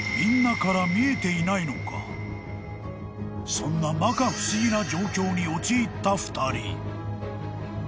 ［そんなまか不思議な状況に陥った２人］